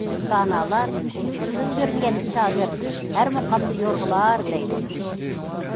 دانالار‹‹ ئۇستا كۆرمىگەن شاگىرت ھەر مۇقامدا يورغىلار›› دەيدۇ.